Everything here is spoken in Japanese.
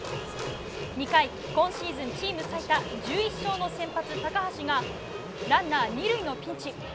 ２回、今シーズンチーム最多１１勝の先発、高橋がランナー２塁のピンチ。